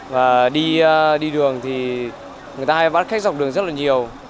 và đi đường thì người ta hay bắt khách dọc đường rất là nhiều